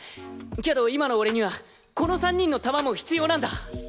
けど今の俺にはこの３人の球も必要なんだ。